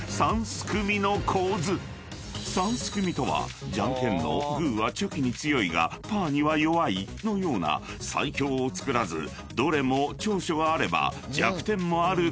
［三すくみとはじゃんけんのグーはチョキに強いがパーには弱いのような最強を作らずどれも長所があれば弱点もある関係のこと］